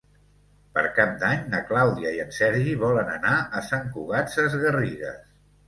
Per Cap d'Any na Clàudia i en Sergi volen anar a Sant Cugat Sesgarrigues.